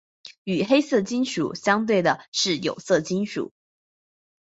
与黑色金属相对的是有色金属。